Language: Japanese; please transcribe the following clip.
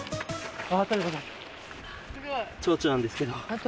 チョウチョなんですけど。